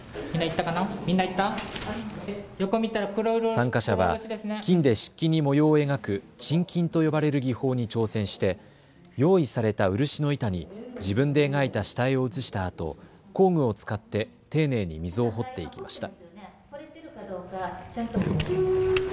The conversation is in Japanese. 参加者は金で漆器に模様を描く沈金と呼ばれる技法に挑戦して用意された漆の板に自分で描いた下絵を写したあと工具を使って丁寧に溝を彫っていきました。